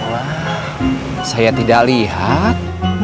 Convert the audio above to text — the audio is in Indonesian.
wah saya tidak liat